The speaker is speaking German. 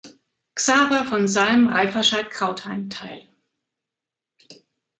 Xaver von Salm-Reifferscheidt-Krautheim teil.